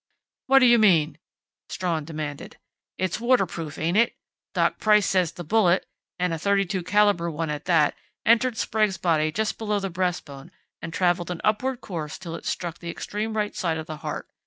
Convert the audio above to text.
"What do you mean?" Strawn demanded. "It's waterproof, ain't it? Doc Price says the bullet and a .32 caliber one at that entered Sprague's body just below the breastbone and traveled an upward course till it struck the extreme right side of the heart.